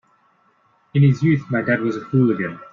In his youth my dad was a hooligan.